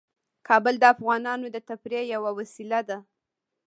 کابل د افغانانو د تفریح یوه وسیله ده.